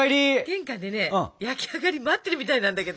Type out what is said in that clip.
玄関でね焼き上がり待ってるみたいなんだけど。